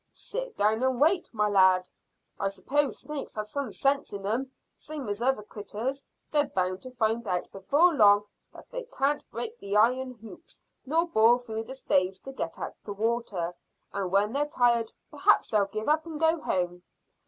"Sit down and wait, my lad. I s'pose snakes have some sense in 'em, same as other critters. They're bound to find out before long that they can't break the iron hoops nor bore through the staves to get at the water; and when they're tired perhaps they'll give up and go home."